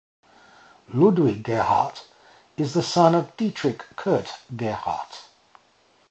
Ludwig Gerhardt is the son of Dietrich Kurt Gerhardt.